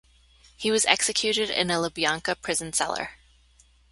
He was executed in a Lubyanka prison cellar.